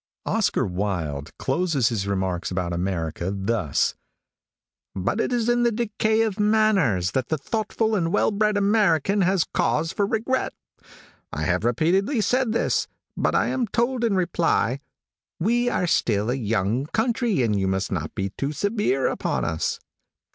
|OSCAR WILDE closes his remarks about America thus: "But it is in the decay of manners that the thoughtful and well bred American has cause for regret. I have repeatedly said this, but I am told in reply: 'We are still a young country, and you must not be too severe upon us.'